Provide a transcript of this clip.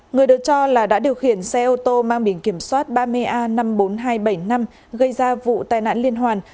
người được cho là đã điều khiển xe ô tô mang biển kiểm soát ba mươi a năm mươi bốn nghìn hai trăm bảy mươi năm gây ra vụ tai nạn liên hoàn